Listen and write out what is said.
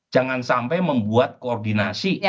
jangan sampai membuat koordinasi